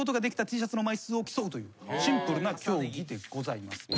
シンプルな競技でございます。